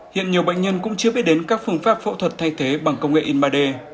hiện nhiều bệnh nhân cũng chưa biết đến các phương pháp phẫu thuật thay thế bằng công nghệ in ba d